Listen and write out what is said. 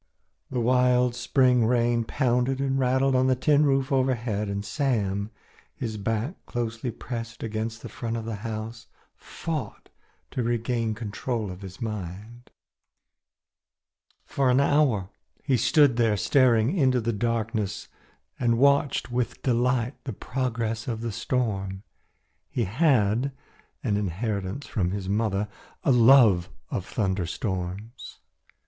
The wild spring rain pounded and rattled on the tin roof overhead, and Sam, his back closely pressed against the front of the house, fought to regain control of his mind. For an hour he stood there staring into the darkness and watched with delight the progress of the storm. He had an inheritance from his mother a love of thunderstorms.